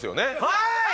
はい！